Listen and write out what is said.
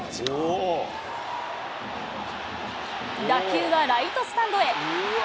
打球はライトスタンドへ。